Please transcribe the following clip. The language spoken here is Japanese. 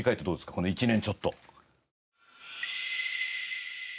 この１年ちょっと。